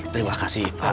terima kasih pak